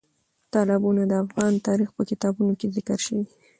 تالابونه د افغان تاریخ په کتابونو کې ذکر شوی دي.